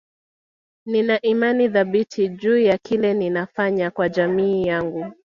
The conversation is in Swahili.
Nina imani thabiti juu ya kile ninafanya kwa jamii yangu